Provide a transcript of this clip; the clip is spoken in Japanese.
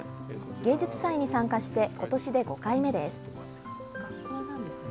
芸術祭に参加して、ことしで５回目です。